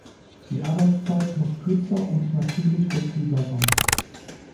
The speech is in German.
Die Arbeitszeit muss kürzer und natürlich flexibler sein.